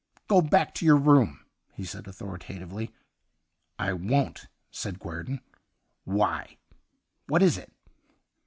'Go back to your room,' he said authoritatively. ' I won't,' said Guerdon. ' Why.'' What is it